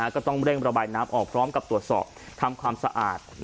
ก็ต้องเร่งระบายน้ำออกพร้อมกับตรวจสอบทำความสะอาด